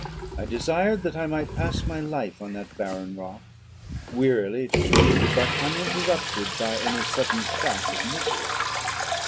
I desired that I might pass my life on that barren rock, wearily, it is true, but uninterrupted by any sudden shock of misery.